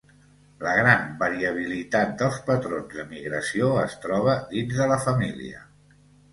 La gran variabilitat dels patrons de migració es troba dins de la família.